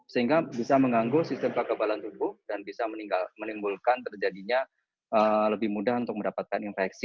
sehingga bisa mengganggu sistem kekebalan tubuh dan bisa menimbulkan terjadinya lebih mudah untuk mendapatkan infeksi